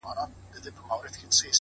د دوبي ټکنده غرمې د ژمي سوړ سهار مي؛